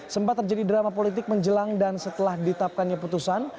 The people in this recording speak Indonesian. sempat terjadi drama politik menjelang dan setelah ditapkannya putusan